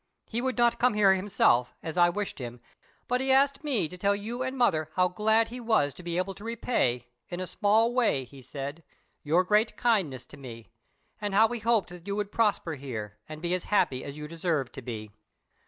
He would not come here himself, as I wished him, but he asked me to tell you and mother how glad he was to be able to repay, in a small way he said, your great kindness to me; and how he hoped that you would prosper here, and be as happy as you deserve to be.